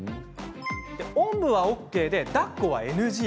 おんぶはＯＫで、だっこはＮＧ。